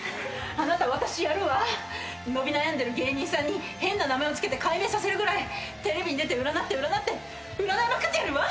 伸び悩んでる芸人さんに変な名前を付けて改名させるぐらいテレビに出て占って占って占いまくってやるわ。